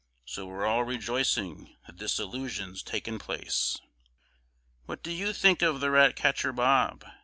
So we're all rejoicing the dissolution's taken place. What do you think of the Rat catcher Bob?